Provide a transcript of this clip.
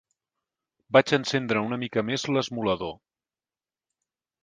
Vaig encendre una mica més l'esmolador.